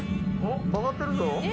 曲がってるぞ。